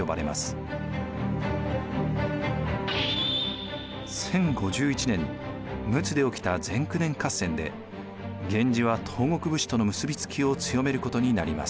１０５１年陸奥で起きた前九年合戦で源氏は東国武士との結び付きを強めることになります。